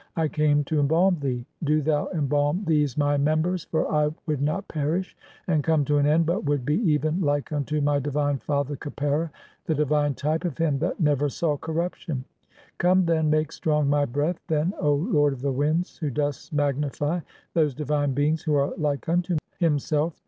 I came to "embalm thee, do thou embalm these my members, for I would "not perish and come to an end (3), [but would be] even like "unto my divine father Khepera, the divine type of him that "never saw corruption. Come, then, make strong my breath "then, O lord of the winds, (4) who dost magnify those divine "beings who are like unto himself.